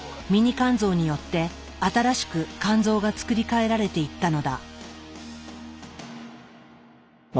肝臓によって新しく肝臓が作り替えられていったのだ。